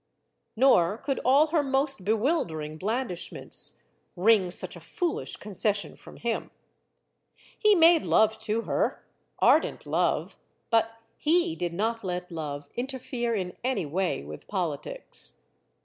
Nor could all her most bewildering blandishments wring such a foolish concession from him. He made love to her ardent love; but he did not let love inter fere in any way with politics.